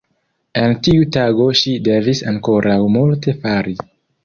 En tiu tago ŝi devis ankoraŭ multe fari.